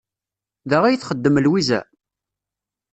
Da ay txeddem Lwiza?